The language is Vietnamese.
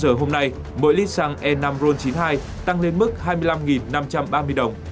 giờ hôm nay mỗi lít xăng e năm ron chín mươi hai tăng lên mức hai mươi năm năm trăm ba mươi đồng